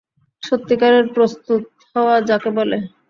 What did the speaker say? সত্যিকারের প্রস্তুত হওয়া যাকে বলে!